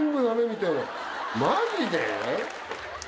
マジで？